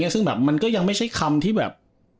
ซึ่งแบบมันก็ยังไม่ใช่คำที่แบบ